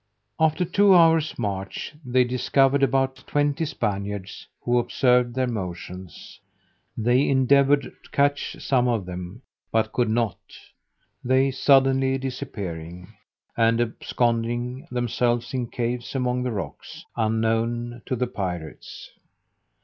After two hours' march, they discovered about twenty Spaniards, who observed their motions: they endeavoured to catch some of them, but could not, they suddenly disappearing, and absconding themselves in caves among the rocks, unknown to the pirates.